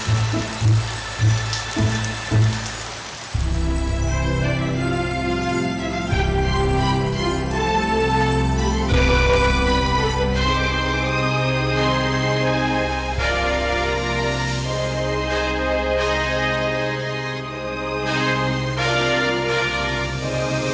iya bunda dari